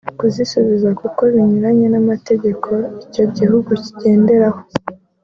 kuzisubiza kuko binyuranye n’amategeko icyo gihugu kigenderaho